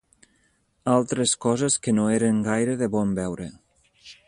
Altres coses que no eren gaire de bon veure